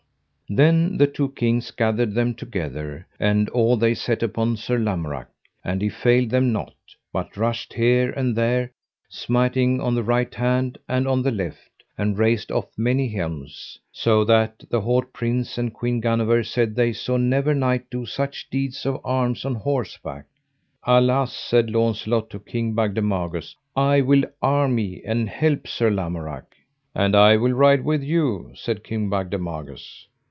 Then the two kings gathered them together, and all they set upon Sir Lamorak; and he failed them not, but rushed here and there, smiting on the right hand and on the left, and raced off many helms, so that the haut prince and Queen Guenever said they saw never knight do such deeds of arms on horseback. Alas, said Launcelot to King Bagdemagus, I will arm me and help Sir Lamorak. And I will ride with you, said King Bagdemagus.